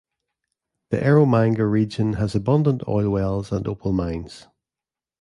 The Eromanga region has abundant oil wells and opal mines.